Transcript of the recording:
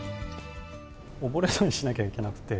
溺れたりしなきゃいけなくて。